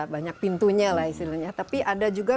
banyak pintunya lah istilahnya tapi ada juga